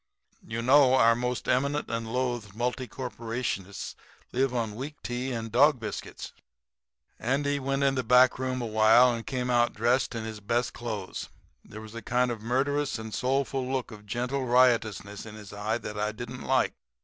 You know our most eminent and loathed multi corruptionists live on weak tea and dog biscuits.' "Andy went in the back room awhile and came out dressed in his best clothes. There was a kind of murderous and soulful look of gentle riotousness in his eye that I didn't like.